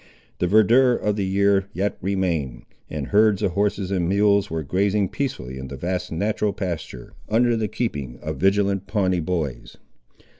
The verdure of the year yet remained, and herds of horses and mules were grazing peacefully in the vast natural pasture, under the keeping of vigilant Pawnee boys.